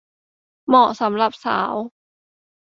เหมาะสำหรับสาว